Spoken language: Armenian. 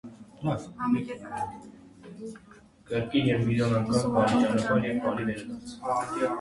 Տեսողական պատրանքները իրականության աղճատված ընկալումների հայտնի ձևերից են։